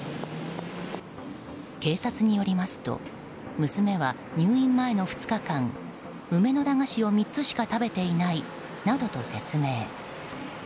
警察によりますと娘は入院前の２日間梅の駄菓子を３つしか食べていないなどと説明。